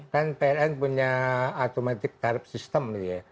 kan pln punya automatic tarif system gitu ya